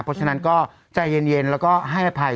เพราะฉะนั้นก็ใจเย็นแล้วก็ให้อภัย